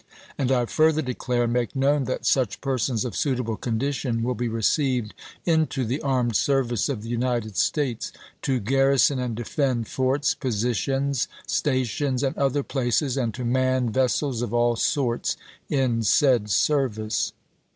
And I further declare, and make known, that such persons of suitable condition will be received into the armed service of the United States to garrison and defend forts, positions, stations, and other places, and to man vessels of all sorts in said service.